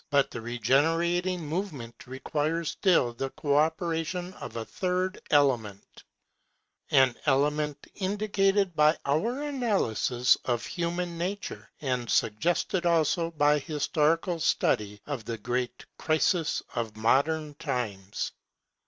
But the regenerating movement requires still the co operation of a third element, an element indicated by our analysis of human nature, and suggested also by historical study of the great crisis of modern times.